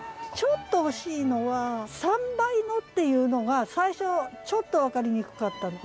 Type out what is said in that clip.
ちょっと惜しいのは「三倍の」っていうのが最初ちょっと分かりにくかった。